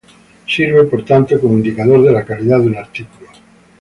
Sirve, por tanto, como indicador de la calidad de un artículo.